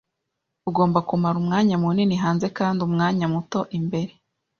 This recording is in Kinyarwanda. Ugomba kumara umwanya munini hanze kandi umwanya muto imbere.